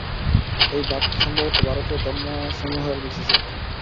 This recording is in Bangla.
এই ভাবটি সম্ভবত ভারতীয় ধর্মসমূহের বিশেষত্ব।